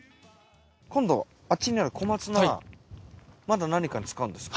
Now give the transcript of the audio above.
今度はあっちにある小松菜まだ何かに使うんですか？